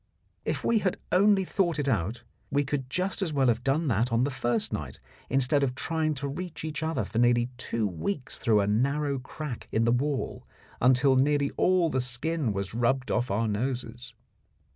If we had only thought it out, we could just as well have done that on the first night, instead of trying to reach each other for nearly two weeks through a narrow crack in the wall until nearly all the skin was rubbed off our noses.